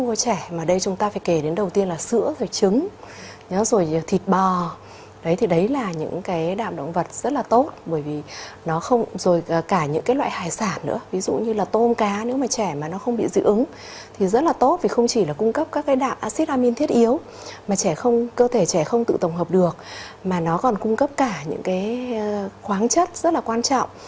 nếu như là trẻ mà đây chúng ta phải kể đến đầu tiên là sữa rồi trứng rồi thịt bò đấy thì đấy là những cái đạm động vật rất là tốt bởi vì nó không rồi cả những cái loại hải sản nữa ví dụ như là tôm cá nữa mà trẻ mà nó không bị dị ứng thì rất là tốt vì không chỉ là cung cấp các cái đạm axit amine thiết yếu mà trẻ không cơ thể trẻ không tự tổng hợp được mà nó còn cung cấp cả những cái khoáng chất rất là quan trọng